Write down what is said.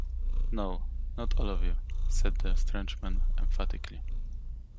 ‘No, not all of you,’ said the strange man emphatically.